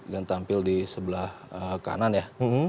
dan tampil di sebelah kanan ya